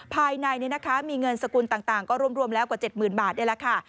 ภายในนี้มีเงินสกุลต่างก็ร่วมแล้วกว่า๗๐๐๐๐บาทได้แล้วค่ะ